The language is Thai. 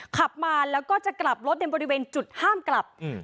ขับมาแล้วก็จะกลับรถในบริเวณจุดห้ามกลับ